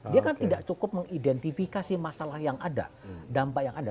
dia kan tidak cukup mengidentifikasi masalah yang ada dampak yang ada